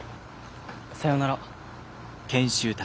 さよなら。